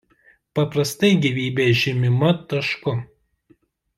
Paprastai gyvybė žymima tašku.